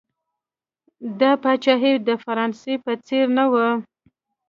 دا پاچاهي د فرانسې په څېر نه وه.